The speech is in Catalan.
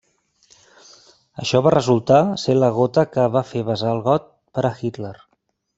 Això va resultar ser la gota que va fer vessar el got per a Hitler.